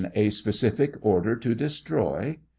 A specific order to destroy